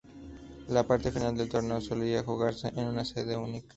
La parte final del torneo solía jugarse en una sede única.